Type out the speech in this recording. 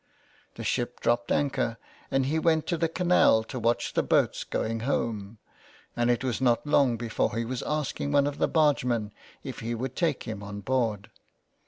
The ship dropped anchor, and he went to the canal to watch the boats going home And it was not long before he was asking one of the bargemen if he would take him on board.